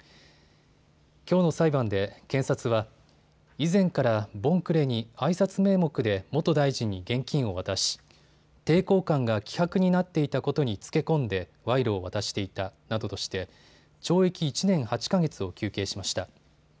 きょうの裁判で、検察は以前から盆暮れにあいさつ名目で元大臣に現金を渡し抵抗感が希薄になっていたことにつけ込んで、賄賂を渡していたなどとして懲役１年８か月を求刑しました。